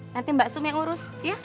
nanti mbak sum yang urus ya